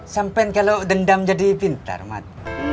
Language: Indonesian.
sampen kalo dendam jadi pintar mat